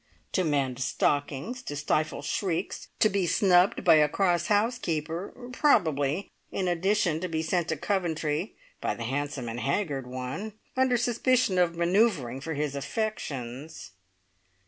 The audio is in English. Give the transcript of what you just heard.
To mend stockings, to stifle shrieks, to be snubbed by a cross housekeeper; probably, in addition, to be sent to Coventry by the handsome and haggard one, under suspicion of manoeuvring for his affections.